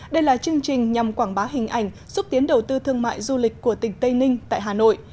đây là chương trình nhằm quảng bá hình ảnh xúc tiến đầu tư thương mại du lịch của tỉnh tây ninh tại hà nội